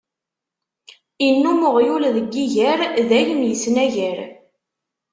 Innum uɣyul deg yiger, dayem isnagar.